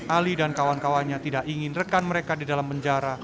ali dan kawan kawannya tidak ingin rekan mereka di dalam penjara